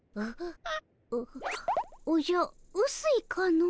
おじゃうすいかの？